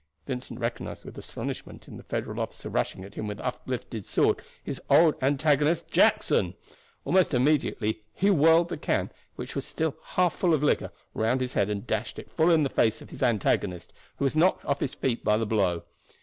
Vincent recognized with astonishment in the Federal officer rushing at him with uplifted sword his old antagonist, Jackson. Almost instinctively he whirled the can, which was still half full of liquor, round his head and dashed it full in the face of his antagonist, who was knocked off his feet by the blow.